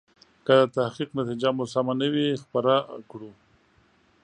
که د تحقیق نتیجه مو سمه نه وي خپره کړو.